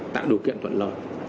tạo điều kiện tận lợi